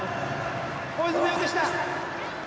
大泉洋でした。